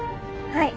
はい！